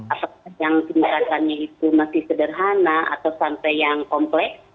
apakah yang pendekatannya itu masih sederhana atau sampai yang komplek